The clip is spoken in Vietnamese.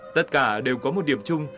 tất cả đều có một điểm chung